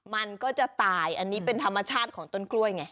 มันก็จะตายอันนี้เป็นธรรมชาติของต้นกล้วยไง